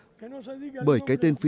bởi cái tên cuba là một tên tương lai